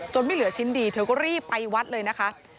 ไม่เหลือชิ้นดีเธอก็รีบไปวัดเลยนะคะ